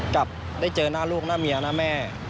กลับได้เจอหน้าลูกหน้าเมียหน้าแม่